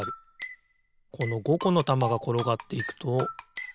この５このたまがころがっていくとあながあるな。